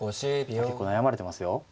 結構悩まれてますよ。